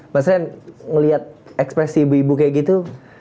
maksudnya ngeliat ekspresi ibu ibu kayak gitu